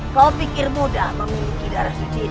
kau pikir mudah memiliki darah suci ini